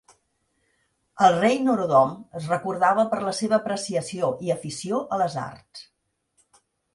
El rei Norodom es recordava per la seva apreciació i afició a les arts.